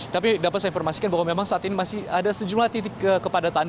tapi dapat saya informasikan bahwa memang saat ini masih ada sejumlah titik kepadatan